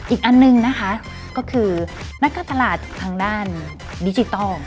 อีกอันหนึ่งนะคะก็คือนักการตลาดทางด้านดิจิทัล